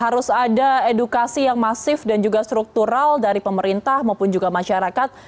harus ada edukasi yang masif dan juga struktural dari pemerintah maupun juga masyarakat